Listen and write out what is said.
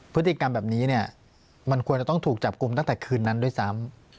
พฤติกรรมแบบนี้เนี่ยมันควรจะต้องถูกจับกลุ่มตั้งแต่คืนนั้นด้วยซ้ำ